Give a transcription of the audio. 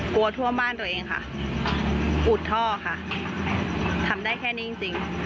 ทั่วบ้านตัวเองค่ะอุดท่อค่ะทำได้แค่นี้จริง